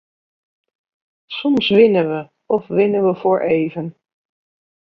Soms winnen we, of winnen we voor even.